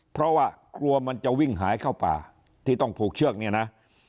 เพราะว่ากลัวมันจะวิ่งหายเข้าป่าที่ต้องผูกเชือกเนี่ยนะ